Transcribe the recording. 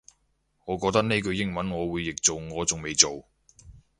我覺得呢句英文我會譯做我仲未做